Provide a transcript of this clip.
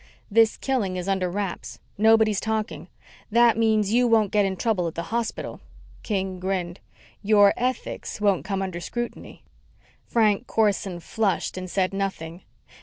"This killing is under wraps. Nobody's talking. That means you won't get in trouble at the hospital." King grinned. "Your ethics won't come under scrutiny." Frank Corson flushed and said nothing.